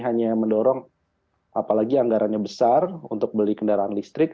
hanya mendorong apalagi anggarannya besar untuk beli kendaraan listrik